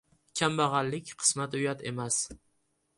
• Kambag‘allik qismati uyat emas.